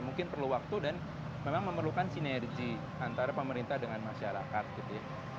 mungkin perlu waktu dan memang memerlukan sinergi antara pemerintah dengan masyarakat gitu ya